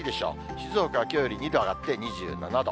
静岡はきょうより２度上がって２７度。